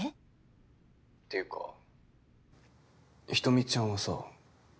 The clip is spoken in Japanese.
っていうか人見ちゃんはさ